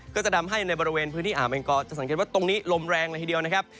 ก็จะทำให้ในบริเวณพื้นที่อ่าวแมงกอจะสังเกตว่าตรงนี้ลมแรงเลยทีเดียวนะครับ